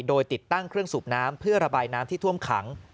โดยติดตั้งเครื่องสูบน้ำเพื่อระบายน้ำที่ท่วมขัง